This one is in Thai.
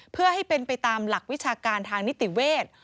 เพื่อให้เป็นไปตามหลักวิชาการทางนิติเวทย์